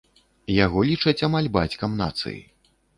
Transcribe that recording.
Яго лічаць амаль бацькам нацыі.